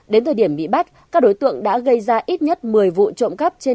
đến thời điểm bị bắt các đối tượng đã gây ra ít nhất một mươi vụ trộm cắt